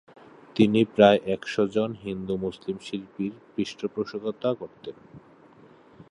তিনি প্রায় একশাে জন হিন্দু - মুসলিম শিল্পীর পৃষ্ঠপােষকতা করতেন ।